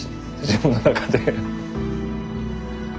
自分の中で。